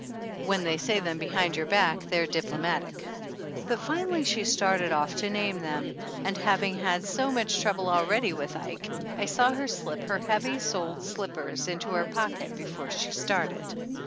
When they say them behind your back they're "diplo matic." But finally she started off to name them, and, having had so much trouble already with Ike, I saw her slip her heavy soled slippers into her pocket before she started.